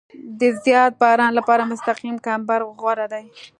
د زیات باران لپاره مستقیم کمبر غوره دی